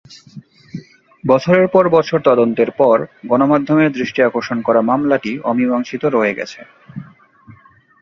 বছরের পর বছর তদন্তের পর, গণমাধ্যমের দৃষ্টি আকর্ষণ করা মামলাটি অমীমাংসিত রয়ে গেছে।